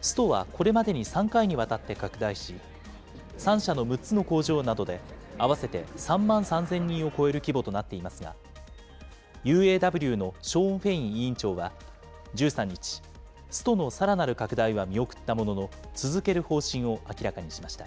ストはこれまでに３回にわたって拡大し、３社の６つの工場などで合わせて３万３０００人を超える規模となっていますが、ＵＡＷのショーン・フェイン委員長は１３日、ストのさらなる拡大は見送ったものの、続ける方針を明らかにしました。